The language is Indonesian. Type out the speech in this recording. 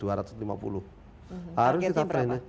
harus kita training